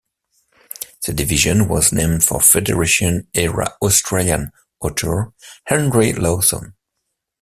The Division was named for Federation era Australian author Henry Lawson.